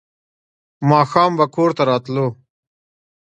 ماښام به کور ته راتلو.